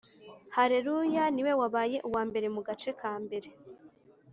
Haleluya niwe wabaye uwambere mugace kambere